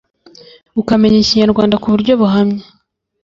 ukamenya Ikinyarwanda ku buryo buhamye,